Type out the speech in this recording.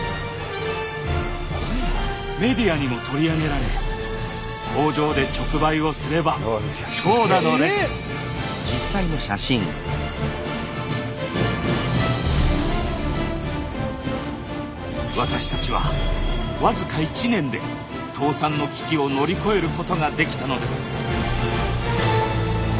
メディアにも取り上げられ工場で直売をすれば私たちはわずか１年で倒産の危機を乗り越えることができたのです。